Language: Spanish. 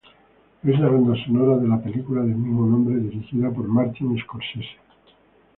Es la banda sonora de la película del mismo nombre dirigida por Martin Scorsese.